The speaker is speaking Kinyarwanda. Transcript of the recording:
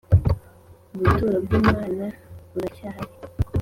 ubuturo bwimana bura cyhari